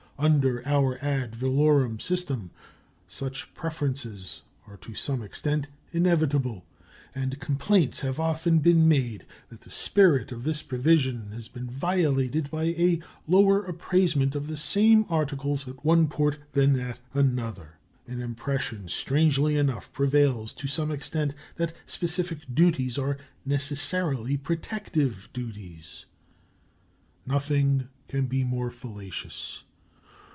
Under our ad valorem system such preferences are to some extent inevitable, and complaints have often been made that the spirit of this provision has been violated by a lower appraisement of the same articles at one port than at another. An impression strangely enough prevails to some extent that specific duties are necessarily protective duties. Nothing can be more fallacious.